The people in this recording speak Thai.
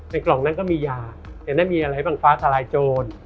ในกล่องนั้นก็มียาแต่นั้นมีอะไรบางฟ้าสลายโจร